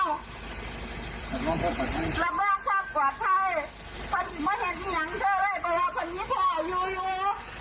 รับร่างชอบกว่าใครเค้าหิมไว้ฮันนี่อย่างเธอเลยเพราะว่าคนนี้พ่ออายุอยู่